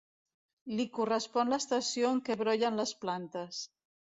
Li correspon l'estació en què brollen les plantes.